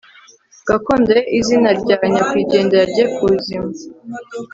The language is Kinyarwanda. gakondo ye izina rya nyakwigendera rye kuzima